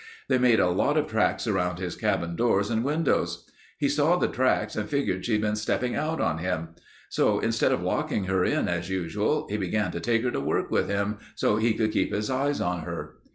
They made a lot of tracks around his cabin doors and windows. He saw the tracks and figured she'd been stepping out on him. So instead of locking her in as usual, he began to take her to work with him so he could keep his eyes on her.